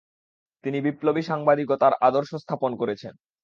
তিনি বিপ্লবী সাংবাদিকতার আদর্শ স্থাপন করেছেন।